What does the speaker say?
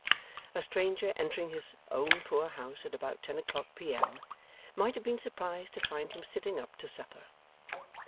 A stranger entering his own poor house at about ten o'clock P.M. might have been surprised to find him sitting up to supper.